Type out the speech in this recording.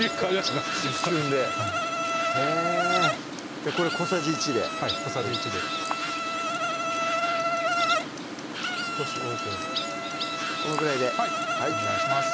今一瞬でへぇじゃあこれ小さじ１ではい小さじ１で少し多ければこのぐらいではいお願いします